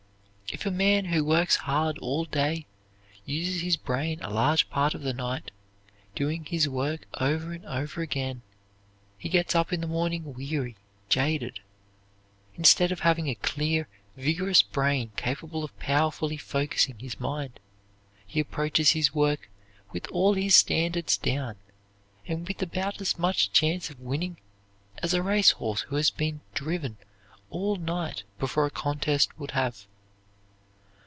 If a man who works hard all day uses his brain a large part of the night, doing his work over and over again, he gets up in the morning weary, jaded. Instead of having a clear, vigorous brain capable of powerfully focusing his mind, he approaches his work with all his standards down, and with about as much chance of winning as a race horse who has been driven all night before a contest would have.